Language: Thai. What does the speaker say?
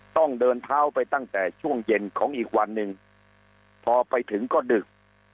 ต้องเดินเท้าไปตั้งแต่ช่วงเย็นของอีกวันหนึ่งพอไปถึงก็ดึก